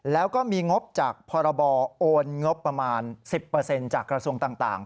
แล้วก็มีงบจากพรบโอนงบประมาณ๑๐จากกระทรวงต่าง